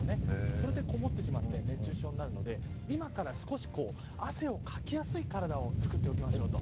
それで、こもってしまって熱中症になるので今から少し汗をかきやすい体をつくっておきましょうと。